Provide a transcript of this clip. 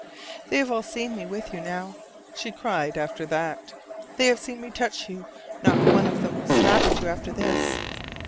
"They have all seen me with you now," she cried after that. "They have seen me touch you. Not one of them will snap at you after this."